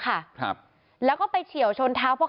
กระทั่งตำรวจก็มาด้วยนะคะ